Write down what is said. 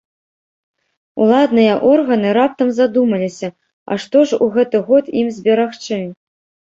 Уладныя органы раптам задумаліся, а што ж у гэты год ім зберагчы?